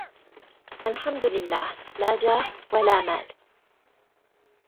الحمد لله لا جاه ولا مال